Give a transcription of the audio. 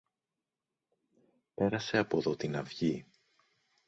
Πέρασε από δω την αυγή.